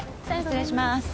失礼します。